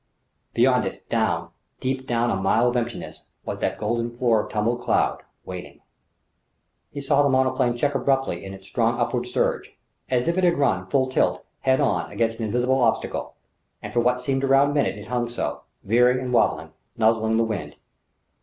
Beyond it, down, deep down a mile of emptiness, was that golden floor of tumbled cloud, waiting ... He saw the monoplane check abruptly in its strong onward surge as if it had run, full tilt, head on, against an invisible obstacle and for what seemed a round minute it hung so, veering and wobbling, nuzzling the wind.